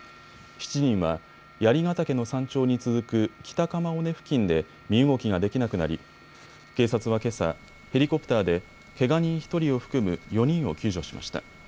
７人は槍ヶ岳の山頂に続く北鎌尾根付近で身動きができなくなり警察はけさ、ヘリコプターでけが人１人を含む４人を救助しました。